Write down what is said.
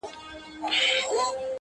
هر زړه يو درد ساتي تل,